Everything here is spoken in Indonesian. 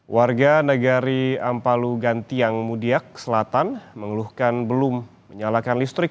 warga negari ampalu gantiang mudiak selatan mengeluhkan belum menyalakan listrik